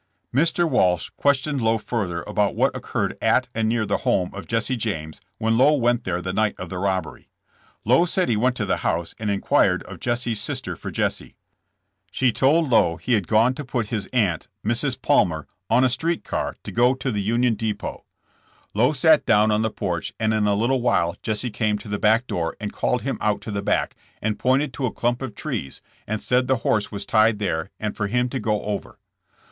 Mr. Walsh questioned Lowe further about what occurred at and near the home of Jesse James when Lowe went there the night of the robbery. Lowe said he went to the house and inquired of Jesse's sis ter for Jesse. She told Lowe he had gone to put his aunt, Mrs. Palmer, on a street car to go to the Union '■'M 150 JESSE JAMES. depot. Lowe sat down on the porch and in a little while Jesse came in the back door and called him out to the back and pointed to a clump of trees and said the horse was tied there and for him to go over.